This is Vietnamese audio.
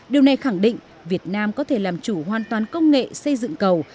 điều này khẳng định việt nam có thể làm chủ hoàn toàn công nghệ xây dựng cầu